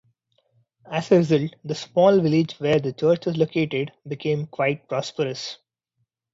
As a result, the small village where the church is located, became quite prosperous.